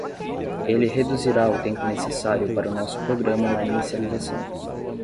Ele reduzirá o tempo necessário para o nosso programa na inicialização.